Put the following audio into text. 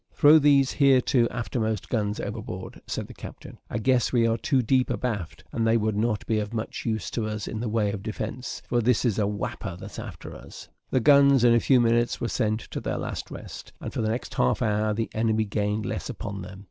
"Throw these here two aftermost guns overboard," said the captain; "I guess we are too deep abaft, and they would not be of much use to us in the way of defence, for this is a wapper that's after us." The guns in a few minutes were sent to their last rest; and for the next half hour the enemy gained less upon them.